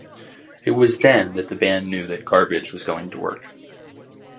It was then that the band knew that Garbage was going to work.